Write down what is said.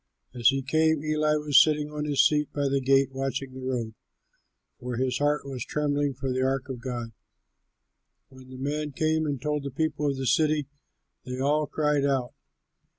As he came, Eli was sitting on his seat by the gate watching the road, for his heart was trembling for the ark of God. When the man came and told the people of the city, they all cried out.